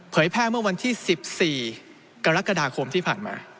แพร่เมื่อวันที่๑๔กรกฎาคมที่ผ่านมา